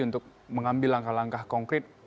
untuk mengambil langkah langkah konkret